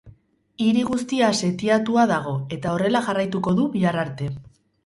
Hiri guztia setiatua dago eta horrela jarraituko du bihar arte.